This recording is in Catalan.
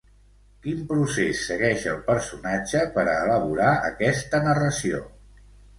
Quin procés segueix el personatge per a elaborar aquesta narració?